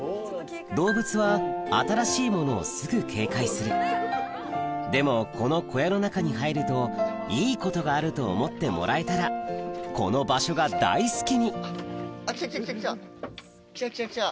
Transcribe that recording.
動物は新しいものをすぐ警戒するでもこの小屋の中に入るといいことがあると思ってもらえたらこの場所が大好きに来た来た来た来た！来た来た来た。